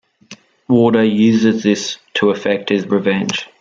Waldo uses this to effect his revenge.